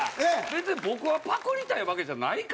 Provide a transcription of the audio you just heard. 別に僕はパクりたいわけじゃないから。